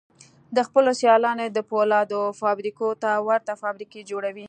د خپلو سيالانو د پولادو فابريکو ته ورته فابريکې جوړوي.